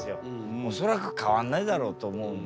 もうそれは変わんないだろうと思うんで。